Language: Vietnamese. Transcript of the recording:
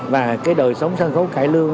và đời sống sân khấu cải lương